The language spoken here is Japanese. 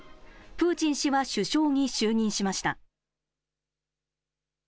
プーチン氏は首相に就任しました。